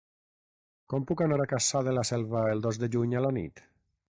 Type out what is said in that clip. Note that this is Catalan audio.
Com puc anar a Cassà de la Selva el dos de juny a la nit?